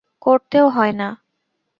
করতেও হয় না।